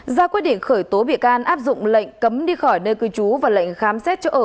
ra quyết định khởi tố bị can áp dụng lệnh cấm đi khỏi nơi cư trú và lệnh khám xét chỗ ở